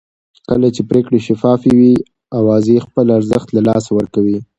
کله چې پرېکړې شفافې وي اوازې خپل ارزښت له لاسه ورکوي